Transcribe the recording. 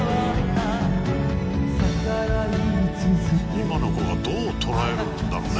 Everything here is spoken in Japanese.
「今の子がどう捉えるんだろうね